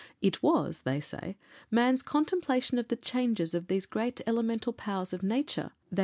It was, they say, man's contemplation of the changes of these great elemental powers of nature, _i.